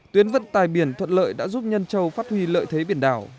tuyến vận tài biển thuận lợi đã giúp nhân châu phát huy lợi thế biển đảo